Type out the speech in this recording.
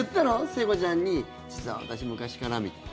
聖子ちゃんに実は私、昔からみたいな。